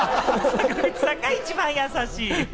坂口さんが一番優しい。